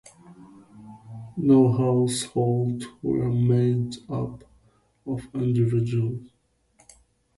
No households were made up of individuals.